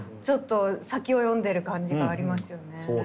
ちょっと先を読んでる感じがありますよね。